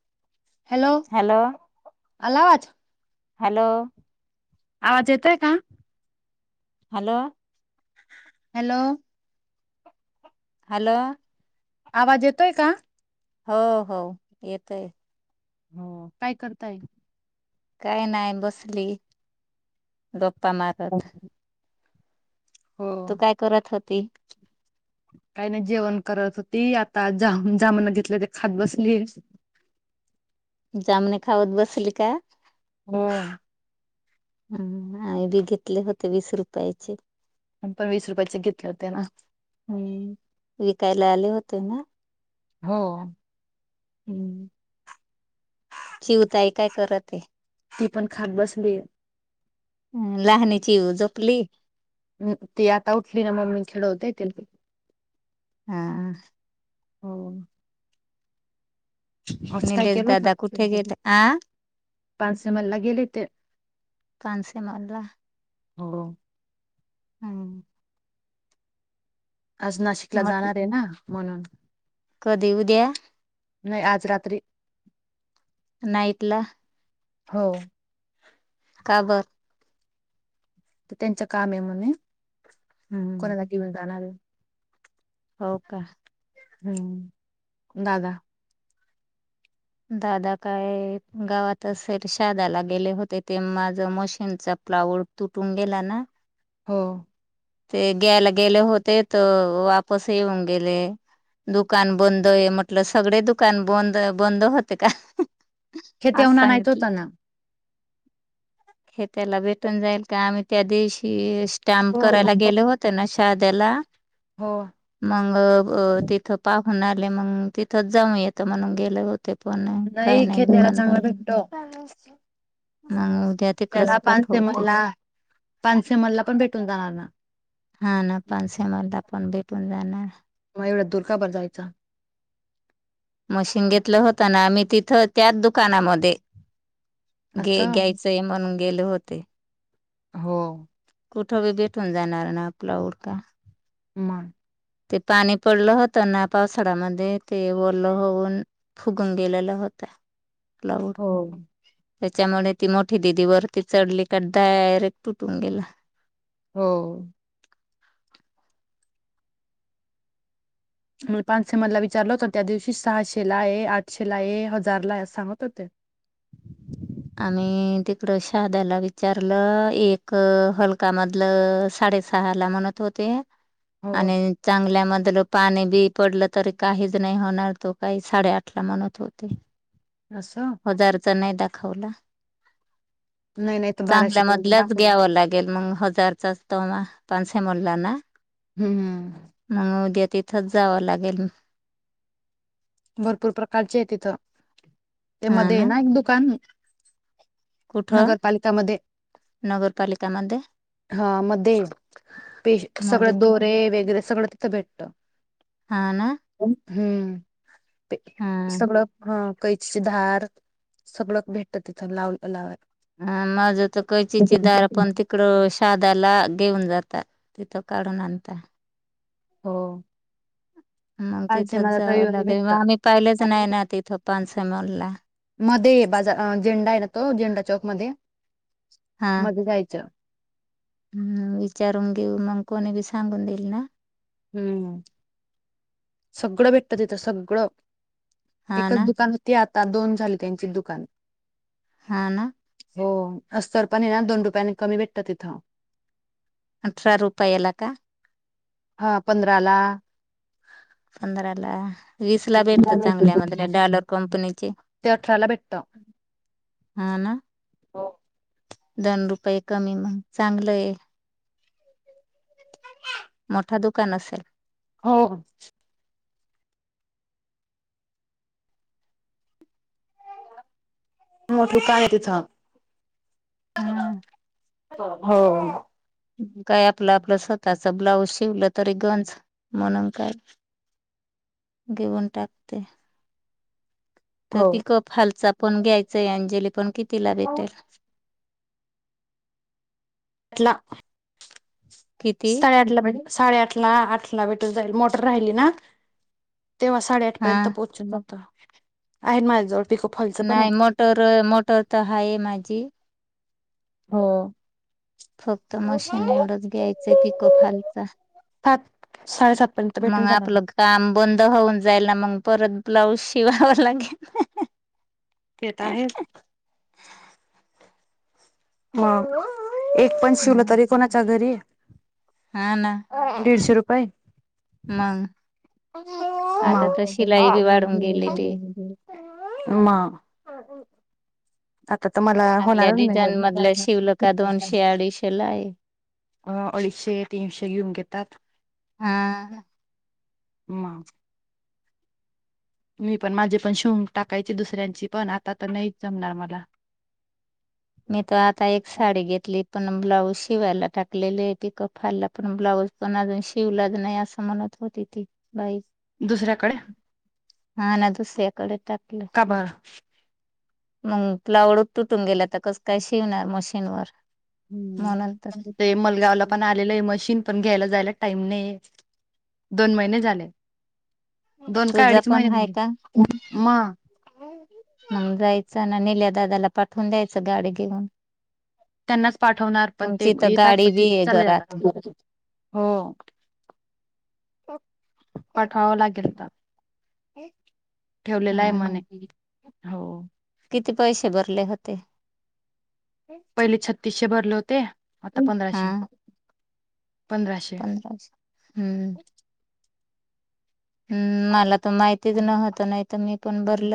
[inaudible] Hello आला आवाज. Hello. आवाज येतोय का? हॅलो. हॅलो. हॅलो. आवाज येतोय का? हो हो येतय. हो काय करताय? काही नाही बसली. गप पा माारत. हो ते काही नाही जेवण करत होती. आता जा जामणा घेतले ते खात बसली. जामणी खावत बसली का. हो. हम्म आणि बी घेतले होते वीस रुपयाचे. आम्ही पण वीस रुपयाचे घेतले होते ना. हम्म विकायला [unintelligible] हो. हम्म. चिऊ ताई काय करत आहे. ती पण खात बसलीये. ह लहाणीची जपली ती आता उठली ना ममी खेळवते तिला. हं. हो. आज काय निलेश केलं दादा कुठे होत गेले. आ पानसीमलला गेले ते कानसे मलला हो. हम्म. आज नाशिकला मग जाणार आहे ना. म्हणून. कधी उद्या? नाही आज रात्री. नाईट ला. हो. का बर? तर त्यांच्या कामे म्हने. हम्म कोणाला घेऊन जाणार आहे. हो का. हम्म दादा. दादा काय गावात असेल. शहराला गेले होते, ते माझ मशीनचा प्लावड तुटून गेला ना. हो ते ग्याला गेले होते तर वापस येऊन गेले दुकान बंद हे म्हटलं सगडे दुकान बंद बंद होते का? असं खेतीवणा आणायच सांगितले होता ना हे त्येला भेटून जाईल का आम्ही त्या दिवशी स्टँम हो करायला गेल होते ना दादाला हो मग अ तिथं पाप म्हणाली मग तिथंच जाऊ येतं म्हणून गेले होते पण काही नाही खेत्याला दुकान चांगला बंद भटतो. स मग उद्या तिकडच त्याला पान से पाठवते मलला पान से मलला पण भेटून जाणार ना हा ना पानसेमलला पण भेटून जाणार मग एवढ्या दुरका भर जायचा. थं त्या दुकानामध्ये घे असं घ्यायचंय म्हणून गेले होत ते हो कुठं बी भेटून जाणार ना प्लाऊड का? माग ते पाणी पडलं होतं ना पावसाळ्यामध्ये ते ओलं होऊन फुगून गेलेल होत. प्लाऊड हो त्याच्यामुळे ती मोठी दिदी वरती चढली तर डायरेक्ट तुटून गेला हो म पाचशे मधला विचारलं तर त्या दिवशी सहाशे ला आहे आठशे ला आहे हजार ला आहे अस सांगत होते. आम्ही तिकडं शहाद्याला विचारलं एक हलका मधलं साडेसहा ला म्हणत होते. हो आणि चांगल्यामध्ये लं पाणी बी पडलं तरी काहीच नाही होणार तो काही साडेआठ ला म्हणत होती अस त नाही दाखवला नाही नाही तर बाराशे पर्यंत चांगल्यामधल्याच दाखव घ्यावं लागेल मग हजारचाचतमा पांशे मोल्ला ना हम्म हम्म मग उद्या तिथंच जावं लागेल भरपूर प्रकारचे तिथ ते मध्ये ना एक दुकान कुठं नगरपालिकामध्ये नगरपालिकामध्ये हा मध्ये पेज सगळ मध्ये मध्ये दोरे वगैरे सगळ तिथ भेटत हा ना. हम्म. ते हा सगळं हा. कैची धार सगळं भेटत तिथं लाव लावाया. हा माझ तर कैचीची दार पण तिकडं शात. दला घेऊन जातात तिथं काढून आणता. हो. मग पाचशे तिथंच मला जावं रविवारी लागेल मग भेटत आम्ही पाहिलेच नाही ना तिथं. पान समोरला मधे बाजा -अ झेंडा आहे ना तो झेंडा चौक मध्ये हा मधे जायचं. हम्म विचारून घेऊ मग कोणी बी सांगून देईल ना. हम्म. सगळं भेटतं तिथं सगळं. हा ना एकच दुकान होतं त्यात. आता दोन झाले त्यांचे दुकान. हा ना. हो अस्तर पण आहे ना दोन रुपयाने कमी भेटत तिथं. अठरा रुपयाला का? हां पंधरा ला. पंधराला विसला भेटत चांगल्या मधल्या डॉलर कंपनीचे ते अठराला भेटत हा ना. दोन रुपये कमी मग चांगलंय. मोठा दुकान असेल, हो हो. मोठू काय आहे तिथं? हा [inaudible] हो हो. काय आपलं आपलं स्वतःच ब्लाऊज शिवलं तरी, गंज म्हणून काय घेऊन टाकते? तर हो ती [unintelligible] हालचाल पण घ्याय. सई अंजली पण कितीला भेटल? अला. किती साडे आठला भेटतात. साडे आठ ला आठ ला भेटून जाईल मोटर राहिली ना. तेव्हा हा साडेआठपर्यंत पोहोचून नव्हत. आहेत माझ्याजवळ पिको फॉलचं पण आहे नाही मोटर -मोटर तर हाय माझी हो फक्त मशीन एवढंच घ्यायचंय पिको फॉलच- सात साडेसात पर्यंत भेटून मग जाणार आपलं काम बंद होऊन जाईल ना मंग परत ब्लाऊज शिवावा लागेल ते त आहेच हम एक पण शिवलं तरी कोणाच्या घरी हा ना दीडशे रुपये मग आता तर शिलाई [inaudible] बी वाढून गेलेली. म चांगल्या डिझाईन मधल्या शिवलका नाही दोनशे अडीचशे ला आहे अं अडीचशे तीनशे घेऊन घेतात हा मग मी पण माझे पण शुंग टाकायचे दुसऱ्यांची पण आता तर नाहीच जमणार मला मी त आता एक साडी घेतली पण ब्लाऊज शिवायला टाकलेली ती कफाला पण ब्लाऊज पण अजून शिवलाच नाही असं म्हणत होती ती बाई दुसऱ्याकडे हा दुस्याकडे ट खबर मग आपलावडत तुटून गेल्या तर च काय शिवणार मशीनवर म्हणून तर हम् ते मलगावला पण आलेलं आहे मशीन पण घ्यायला जायला टाईम नाही दोन महिने झाले दोन का तुझा अडीच पण हाय महिन्याते का? म हम मग जायचं ना नल्या दादाला पाठवून द्यायचं गाडी घेऊन त्यांनाच पाठवणार पण ते तुमची तर येतात गाडी पण बी आहे चाले घरात जातात हो पठावा लागेलता ठेवलेला आहे हा ना मने हो बले होते पहिले छत्तीसशे भरले होते आता हा पंधराशे पंधराशे पंधरा स हम्म हम्म मला त माहितीच नव्हत नाही तर मी पण भरल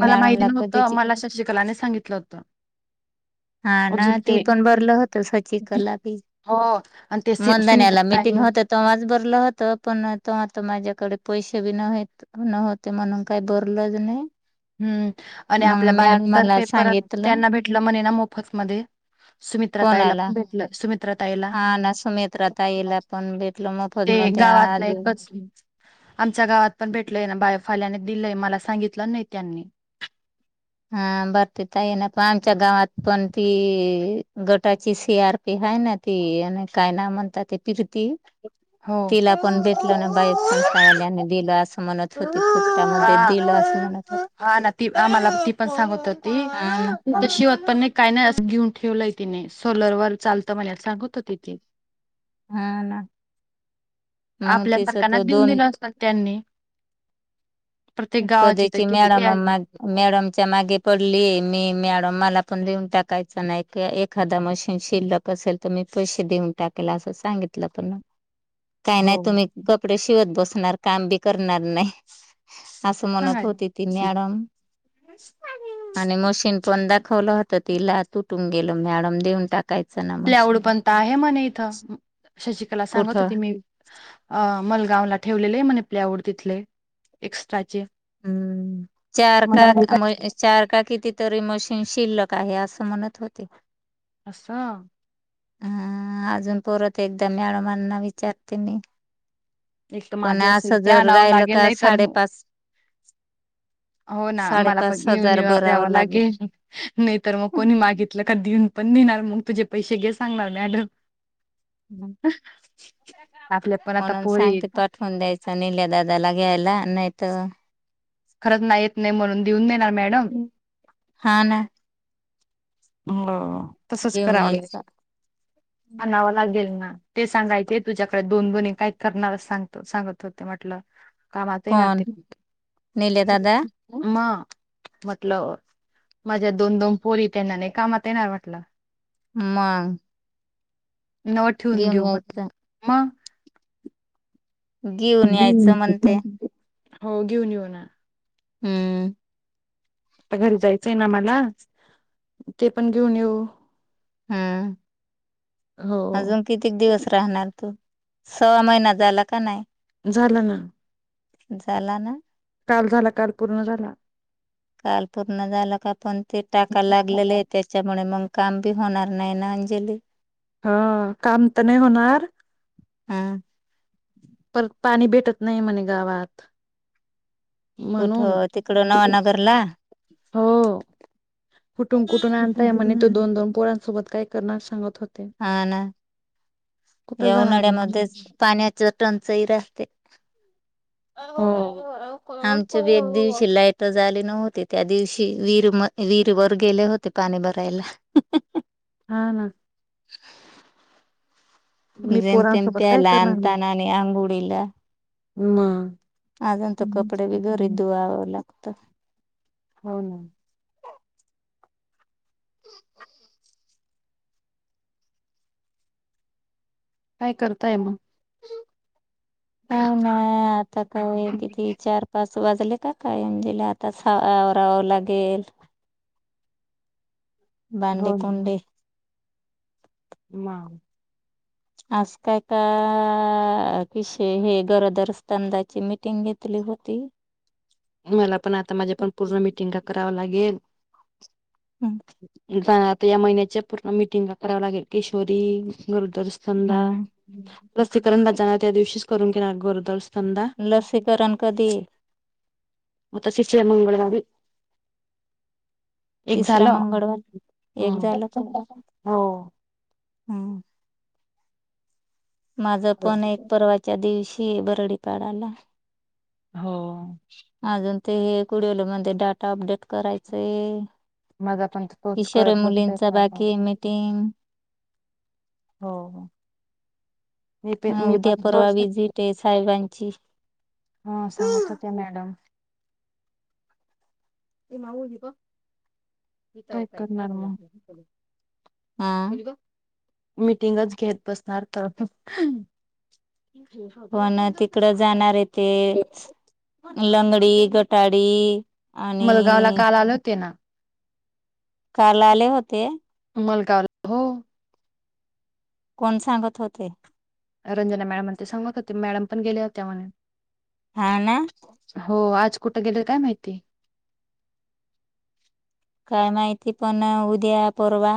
मला माहिती नव्हतं मला शशिकलाने सांगितलं होतं हा ना अजून ते ती पण बरल होत सची कलाबी हो आणि ते सि- सुमित मधण्याला मिटिंग पाहिलं होत तेव्हाच बरल होत पण तेव्हा तो माझ्या तकडे पैसे बी न न होते म्हणून काही बरलच नाही हम्म आणि मग आपल्या बाहेर तर मॅडमाला पेपर सांगितलं त्यांना भेटलं म्हणे मोफत मधे सुमित्रा ताईला कोणाला पण भेटल हा ना सुमित्रताईला पण भेटल मोफत ते मध्ये गावात अजून एकच आमच्या गावात पण भेटलय ना बा फाल्याने दिलंय मला सांगितलं नाही त्यांनी हा बरं ते त आहे ना पण आमच्या गावात पण ती गटाची सी आर पी आहे ना ती आणि काय ना म्हणतात ते ति त हो तिला पण भेटल ना बाईब संस्थावाल्यानी दिलं असं म्हणत होती फुकटा मधे दिल असं म्हणत होत. हा ना ती आम्हाला ती सांगत होती तशी. पण काय नाही अस घेऊन ठेवलंय तिने सोलर वर चालतं म्हणे सांगत होती ति. हा ना मग आपल्या तिच सारकाना तो देऊन दोन दिलं असतात त्यांनी. प्रत्येक गावाची तर कधीची किती मॅडम आहे मॅडमच्या मागे पडली मी. मॅडम मला पण लिहून टाकायचं नाही एखादा मशीन शिल्लक असेल तर मी पैसे देऊन टाकल असं सांगितलं पण. काय हो नाही तुम्ही कपडे शिवत बसणार काम बी करणार नाही. असं म्हणत सांगाय होती ती न मॅडम आणि मशीन पण दा... दाखवलं होतं तिला तुटून गेल मॅडम देऊन टाक प्लाऊड पणंत आहे मणे इथं शशिकाला सांगत कुठं होती मी मल... गावला ठेवले आहे म्हणे प्लाऊड तिथले एक्स्ट्राचे. हम्म चार का म चार का किती तरी मशीन... शिल्लक आहे असं म्हणत होते. असा. हा अजून परत एकदा मॅडमांना विचारते मी. एक तर पण माझ्या असेल असं ते जर आणावं राहिल लागेल का नाही तर साडेपाच... हो ना मला पण साडेपाच घेऊन हजार यावं भरावं लागेल नाही तर मग कोणी मागितलं देऊन.... पण देणार मग तुझे पैसे घे सांगणार मॅडम.... आपल्या पण आता म्हणून पोरी सांगते पाठवून द्यायच निल्या दादाला घ्यायला नाही. तर... खरंच नाही येत नाही म्हणून देऊन देणार मॅडम.. हा ना हो. तसच घेऊन कराव यायचा आणावं लागेल ना. ते सांगायचे तुझ्याकडे दोन बोणी काय करणार सांगतो सांगत होते म्हटलं. कामाात कोण नाते निले दादा म.... म्हटल माझ्या दोन दोन पोरी... त्यांना नाही कामात येणार वाटलं. मग. नव ठेवून घेऊन घेऊ म यायचं मग. घेऊन यायचं म्हणते. हो घेऊन येऊ ना. हम्म आता घरी जायचंय ना मला ते पण घेऊन येऊ हम्म हो अजून कितीक दिवस राहणार तू स्वा महिना झाला का नाही झाला ना झाला ना काल झाला काल पूर्ण झाला काल पूर्ण झालं का पण ते टाका लागलेले आहे त्याच्यामुळे मग काम बी होणार नाही ना अंजली हा काम तर नाही होणार हम् प पाणी भेटत नाही म्हणे गावात म्हणून कुठं तिकडं नवानगरला हो कुठून कुठून आणताय म्हणे तो दोन दोन पोरां सोबत काय करणार सांगत होते हा ना कुठं या जाणार उन्हाळ्यामध्ये पाण्याच टंचही राहते हो आमचे बी एक दिवशी लाईट झाली नव्हती त्या दिवशी विीर वर वर गेले होते पाणी भरायला हा ना मी जेम तेम पोरांसोबत काय त्याला अता ना आणि अंगुळी अला हम् अंतु कपडे बिघरद्ववला वक्त हो ना काय करताय मग नाही नाही आता का किती चार पाच वाजले का काय अंजीला आता आरावावं लागेल बाांडिकंडी म आज काय का विषय हे गरोदर स्तंदाची मीटिंग घेतली होती मला पण आता माझ्या पण पूर्ण मिटिंगा कराव लागेल हम्म बा या महिन्याच्या पूर्ण मिटिंगला करावं लागेल किशोरी दुरदर्शन द लसीकरण द त्या दिवशी करून स्तनदा लसीकरण कधी म शिशर मंगळारी एक तिसरा झालं मंगळवार एक हो हम्म माझं पण एक परवाच्या दिवशी ह बरोडी पाडाला हो हज ते कुडवल मध्ये डाटा अपडेट करायचंय माझा पण तोच कशर् करत बसतोय मुलींचा काय बाकी काय मीटिंग हो मी प ह मी उद्या पण परवा तोच विजिट आहे साहेबांची प े हा सांगत होत्या मॅडम ते माऊ आली बग हिताव काय काही प करणार मग नाही हा मिीटिंगच घेत बसणार तर पण तिकडं जाणार आहे ते लंगडी गटाडी मुलगावला आणि काल आल होते ना काल आले होते मलगावला हो कोण सांगत होते रंजना मॅडम ते सांगत होते मॅडम पण गेले होत्या म्ह हा ना हो आ कुठ गेले काय माहिती काय माहिती पण उद्या परवा